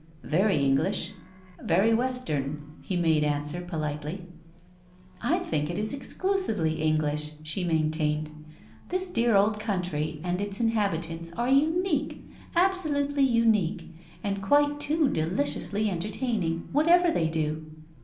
" Very English— very Western," he made answer politely. " I think it is exclusively English," sh6 maintained. " This dear old country and its inhabitants are unique, absolutely unique, and quite too deliciously entertaining, whatever they do."